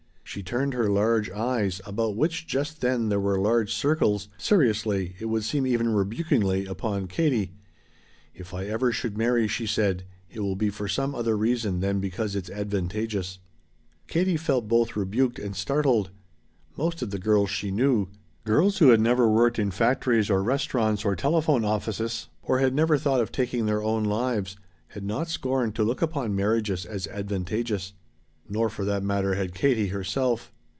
She turned her large eyes, about which just then there were large circles, seriously, it would even seem rebukingly, upon Katie. "If I ever should marry," she said, "it will be for some other reason than because it is 'advantageous.'" Katie felt both rebuked and startled. Most of the girls she knew girls who had never worked in factories or restaurants or telephone offices, or had never thought of taking their own lives, had not scorned to look upon marriages as advantageous. Nor, for that matter, had Katie herself.